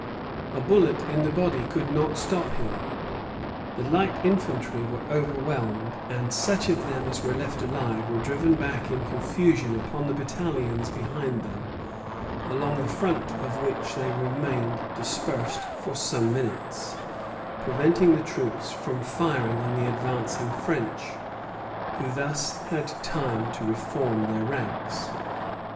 A bullet in the body could not stop him. The light infantry were overwhelmed; and such of them as were left alive were driven back in confusion upon the battalions behind them, along the front of which they remained dispersed for some minutes, preventing the troops from firing on the advancing French, who thus had time to reform their ranks.